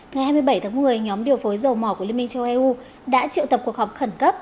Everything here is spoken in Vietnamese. ngày hai mươi bảy tháng một mươi nhóm điều phối dầu mỏ của liên minh châu âu đã triệu tập cuộc họp khẩn cấp